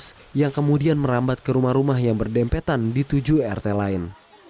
satu rumah di rt sebelas yang kemudian merambat ke rumah rumah yang berdempetan di tujuh rt lain